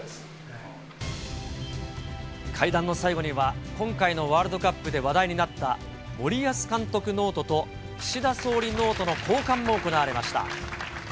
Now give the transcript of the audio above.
会談の最後には、今回のワールドカップで話題になった森保監督ノートと、岸田総理ノートの交換も行われました。